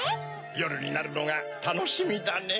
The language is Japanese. よるになるのがたのしみだねぇ。